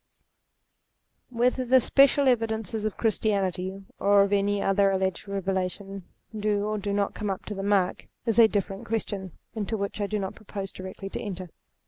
Whether the special evidences of Christianity, or of any other alleged revelation, do or do not come up to the mark, is a different question, into which I do not propose directly to enter.